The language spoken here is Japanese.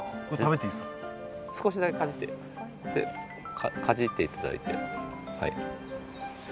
少しだけかじってかじっていただいて。